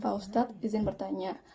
pak ustadz izin bertanya